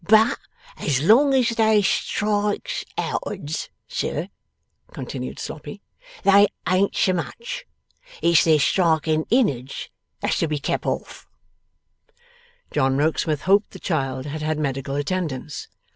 'But as long as they strikes out'ards, sir,' continued Sloppy, 'they ain't so much. It's their striking in'ards that's to be kep off.' John Rokesmith hoped the child had had medical attendance?